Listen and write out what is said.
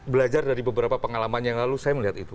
belajar dari beberapa pengalaman yang lalu saya melihat itu